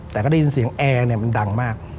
แต่ก็ได้ยินเสียงแอร์มันดังมาก